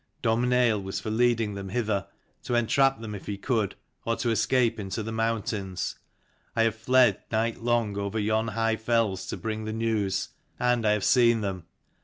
Domhnaill was for leading them hither, to entrap them if he could ; or to escape into the mountains. I have fled night long over yon high fells to bring the news. And I have seen them.